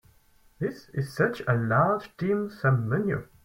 This is such a large dim sum menu.